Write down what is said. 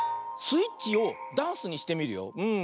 スイッチをダンスにしてみるよ。